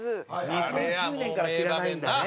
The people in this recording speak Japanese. ２００９年から知らないんだね。